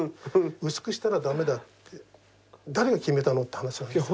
薄くしたら駄目だって誰が決めたのって話なんですよ。